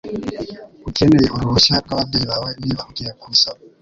Ukeneye uruhushya rwababyeyi bawe niba ugiye kubisaba.